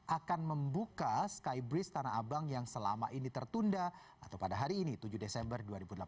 akan membuka skybridge tanah abang yang selama ini tertunda atau pada hari ini tujuh desember dua ribu delapan belas